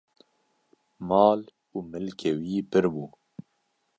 mal û milkê wî pir bû